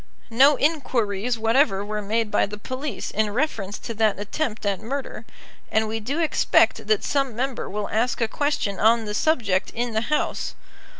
No inquiries whatever were made by the police in reference to that attempt at murder, and we do expect that some member will ask a question on the subject in the House.